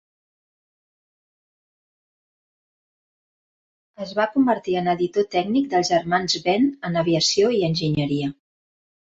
Es va convertir en editor tècnic dels Germans Benn en aviació i enginyeria.